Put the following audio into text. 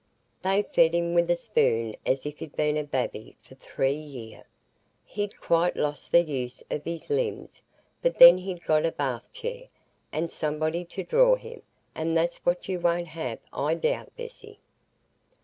They fed him with a spoon as if he'd been a babby for three year. He'd quite lost the use of his limbs; but then he'd got a Bath chair, and somebody to draw him; and that's what you won't have, I doubt, Bessy."